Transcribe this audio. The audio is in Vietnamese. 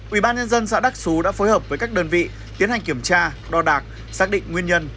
ubnd xã đắc xú đã phối hợp với các đơn vị tiến hành kiểm tra đo đạc xác định nguyên nhân